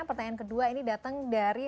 pertanyaan kedua ini datang dari